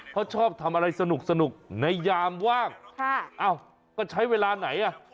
เขาชอบทำอะไรสนุกสนุกในยามว่างค่ะอ้าวก็ใช้เวลาไหนอ่ะ